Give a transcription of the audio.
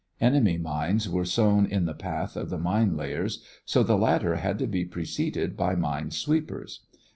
Enemy mines were sown in the path of the mine layers, so the latter had to be preceded by mine sweepers.